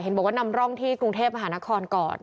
บอกว่านำร่องที่กรุงเทพมหานครก่อน